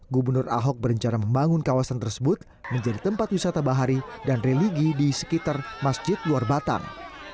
gubernur ahok berencana membangun kawasan tersebut menjadi tempat wisata bahari dan religi di sekitar masjid luar batang